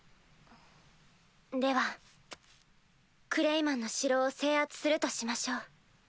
ではクレイマンの城を制圧するとしましょう。